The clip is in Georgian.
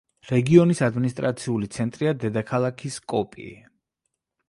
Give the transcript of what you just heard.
რეგიონის ადმინისტრაციული ცენტრია დედაქალაქი სკოპიე.